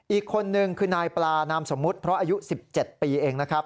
อีกคนนึงคือนายปลานามสมมุติเพราะอายุ๑๗ปีเองนะครับ